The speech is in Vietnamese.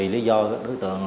để có đối tượng